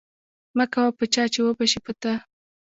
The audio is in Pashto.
مکوه په چا چی اوبشی په تا